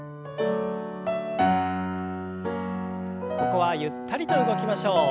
ここはゆったりと動きましょう。